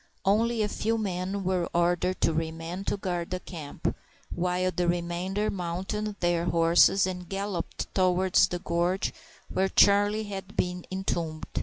Only a few men were ordered to remain to guard the camp, while the remainder mounted their horses and galloped towards the gorge where Charlie had been entombed.